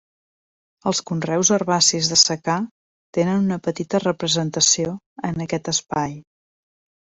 Els conreus herbacis de secà tenen una petita representació en aquest espai.